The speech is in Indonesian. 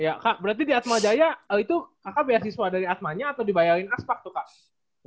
ya kak berarti di atmajaya itu kakak beasiswa dari atma nya atau dibayarin aspa tuh kak